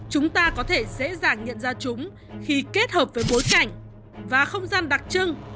chúng ta có thể dễ dàng nhận ra chúng khi kết hợp với bối cảnh và không gian đặc trưng